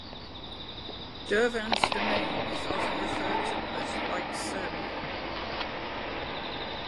Dervan's domain is often referred to as White Serbia.